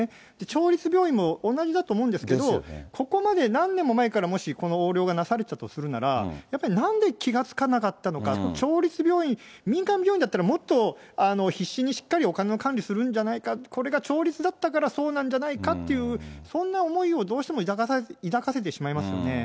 町立病院も同じだと思うんですけど、ここまで、何年も前から、もしこの横領がなされたとするならば、やっぱり、なんで気が付かなかったのか、町立病院、民間病院だったら、もっと必死にしっかり、お金の管理、するんじゃないか、これが町立だったから、そうなんじゃないかっていう、そんな思いをどうしても抱かせてしまいます